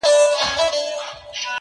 ستا د حسن خیال پر انارګل باندي مین کړمه،